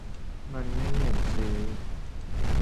มันไม่เหมือนซื้อ